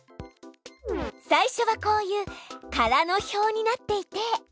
最初はこういう空の表になっていて。